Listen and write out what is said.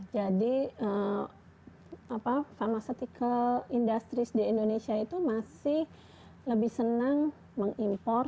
jadi apa pharmaceutical industries di indonesia itu masih lebih senang mengimpor